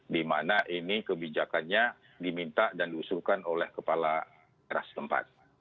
di mana ini kebijakannya diminta dan diusulkan oleh kepala daerah setempat